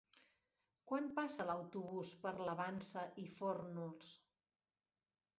Quan passa l'autobús per la Vansa i Fórnols?